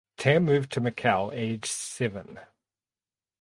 Tam moved to Macau aged seven.